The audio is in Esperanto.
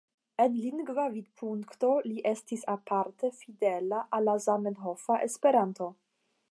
El lingva vidpunkto, li estis aparte fidela al la zamenhofa Esperanto.